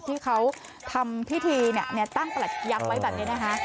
ที่เขาทำพิธีตั้งประหลัดยักษ์ไว้แบบนี้นะคะ